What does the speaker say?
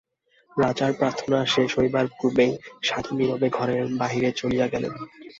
রাজার প্রার্থনা শেষ হইবার পূর্বেই সাধু নীরবে ঘরের বাহিরে চলিয়া গেলেন।